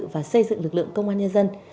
và xây dựng lực lượng công an nhân dân